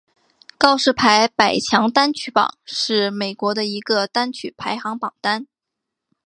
告示牌百强单曲榜是美国的一个单曲排行榜单。